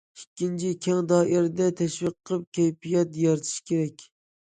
ئىككىنچى، كەڭ دائىرىدە تەشۋىق قىلىپ، كەيپىيات يارىتىش كېرەك.